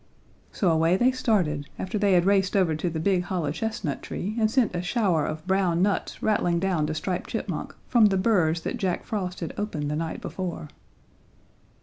So away they started, after they had raced over to the big hollow chestnut tree and sent a shower of brown nuts rattling down to Striped Chipmunk from the burrs that Jack Frost had opened the night before.